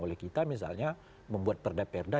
oleh kita misalnya membuat perda perda